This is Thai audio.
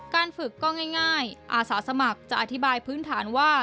การฝึกก็ง่ายอาสาสมัครจะอธิบายพื้นฐานว่า